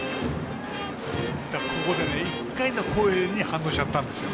ここで１回の攻撃に反応しちゃったんですよ。